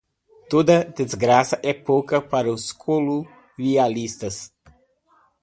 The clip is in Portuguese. Toda desgraça é pouca para os colonialistas